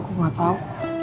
gue gak tau